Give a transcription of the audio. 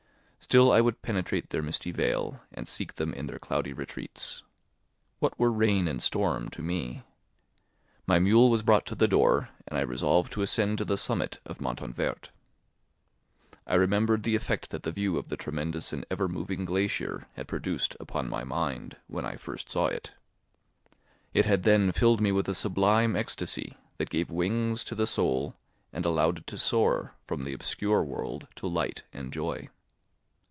Still I would penetrate their misty veil and seek them in their cloudy retreats. What were rain and storm to me? My mule was brought to the door, and I resolved to ascend to the summit of Montanvert. I remembered the effect that the view of the tremendous and ever moving glacier had produced upon my mind when I first saw it. It had then filled me with a sublime ecstasy that gave wings to the soul and allowed it to soar from the obscure world to light and joy.